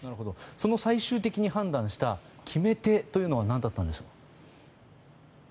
その最終的に判断した決め手というのは何だったんでしょうか。